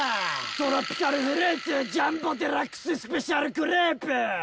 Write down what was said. トロピカルフルーツジャンボデラックススペシャルクレープ！